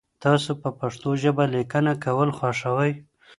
تاسو په پښتو ژبه لیکنه کول خوښوئ؟